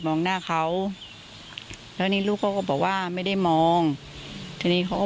มองหน้าเขาแล้วนี่ลูกเขาก็บอกว่าไม่ได้มองทีนี้เขาก็